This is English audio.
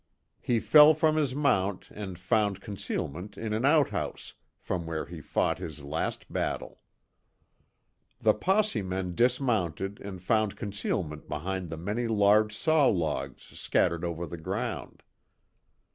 He fell from his mount and found concealment in an outhouse, from where he fought his last battle. The posse men dismounted and found concealment behind the many large saw logs, scattered over the ground.